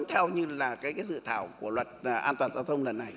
theo như là cái dự thảo của luật an toàn giao thông lần này